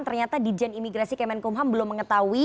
ternyata dijen imigrasi kemenkumham belum mengetahui